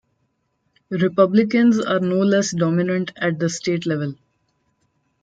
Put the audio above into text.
Republicans are no less dominant at the state level.